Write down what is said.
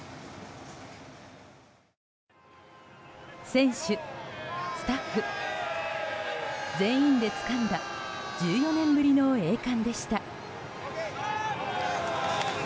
選手、スタッフ全員でつかんだ１４年ぶりの栄冠でした。